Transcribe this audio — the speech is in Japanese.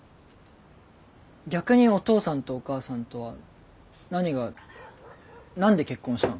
逆にお父さんとお母さんとは何が何で結婚したの？